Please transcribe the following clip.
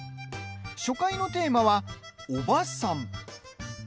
初回のテーマは「おばさん」。